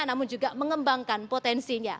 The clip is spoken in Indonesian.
namun juga mengembangkan potensinya